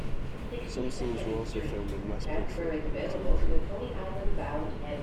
Some scenes were also filmed in West Bridgford, Nottinghamshire.